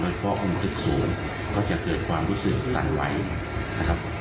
โดยเฉพาะ๖๐ก็จะเกิดความรู้สึกสั่นไหวนะครับ